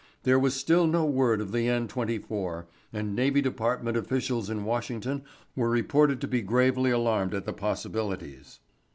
There was still no word of the N 24, and navy department officials in Washington were reported to be gravely alarmed at the possibilities.